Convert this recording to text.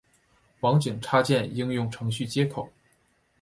网景插件应用程序接口。